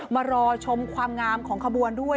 มารอชมความงามของขบวนด้วย